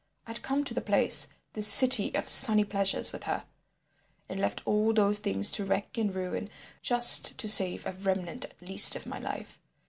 I had come to the place, this city of sunny pleasures with her, and left all those things to wreck and ruin just to save a remnant at least of my life.